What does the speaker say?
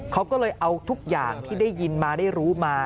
เขาก็เลยเอาทุกอย่างที่ได้ยินมาได้รู้มา